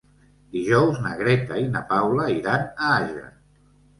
Dijous na Greta i na Paula iran a Àger.